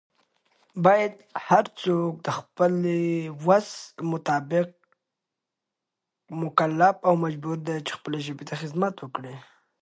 او د ژوند پۀ طرز کلر ونۀ کړي